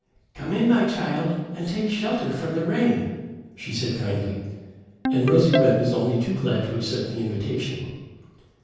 "Come in, my child, and take shelter from the rain," she said kindly, and Rosy red was only too glad to accept the invitation.